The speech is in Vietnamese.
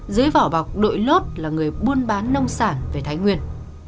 dưới vỏ bọc đội lốt là người buôn bán nông sản về thái nguyên